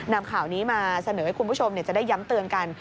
นำข่าวนี้มาเสนอให้คุณผู้ชมจะได้ย้ำเตือนกัน